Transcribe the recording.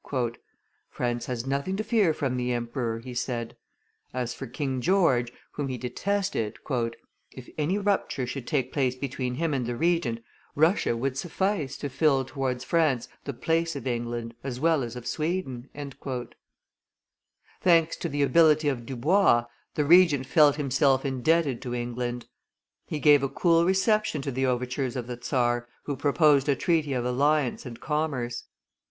"France has nothing to fear from the emperor," he said; as for King George, whom he detested, "if any rupture should take place between him and the Regent, Russia would suffice to fill towards France the place of England as well as of Sweden." Thanks to the ability of Dubois, the Regent felt himself infeoffed to England; he gave a cool reception to the overtures of the czar, who proposed a treaty of alliance and commerce.